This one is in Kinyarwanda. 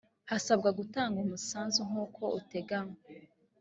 hasabwa gutanga umusanzu nk uko uteganywa